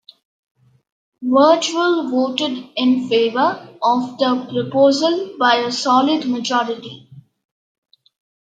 Vegreville voted in favour of the proposal by a solid majority.